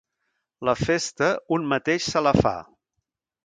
La festa, un mateix se la fa.